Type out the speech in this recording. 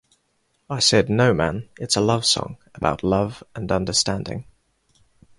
I said 'no man it's a love song, about love and understanding.